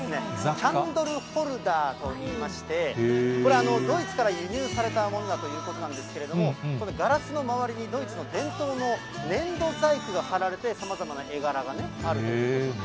キャンドルホルダーといいまして、これ、ドイツから輸入されたものだということなんですけれども、ガラスの周りにドイツの伝統の粘土細工が貼られて、さまざまな絵柄があるんです。